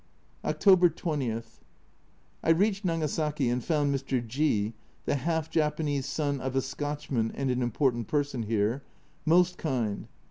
October 20. I reached Nagasaki and found Mr. G (the half Japanese son of a Scotchman and an important person here) most kind.